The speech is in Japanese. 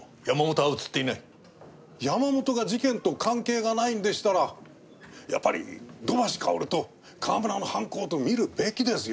山本が事件と関係がないんでしたらやっぱり土橋かおると川村の犯行と見るべきですよ！